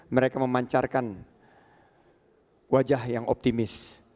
mereka memancarkan wajah yang optimis